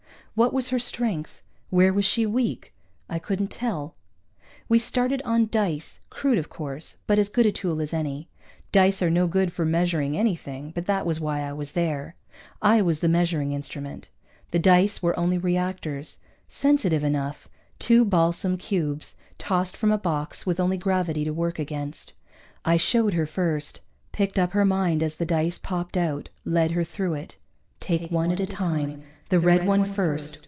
What was her strength? Where was she weak? I couldn't tell. We started on dice, crude, of course, but as good a tool as any. Dice are no good for measuring anything, but that was why I was there. I was the measuring instrument. The dice were only reactors. Sensitive enough, two balsam cubes, tossed from a box with only gravity to work against. I showed her first, picked up her mind as the dice popped out, led her through it. _Take one at a time, the red one first.